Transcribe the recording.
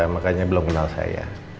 makanya belum kenal saya